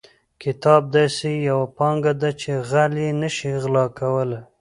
کتاب داسې یوه پانګه ده چې غل یې نشي غلا کولی.